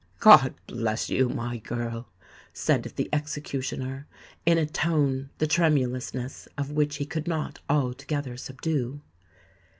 "God bless you, my girl," said the executioner, in a tone the tremulousness of which he could not altogether subdue.